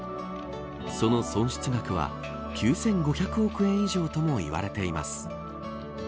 その損失額は９５００億円以上ともいわれています。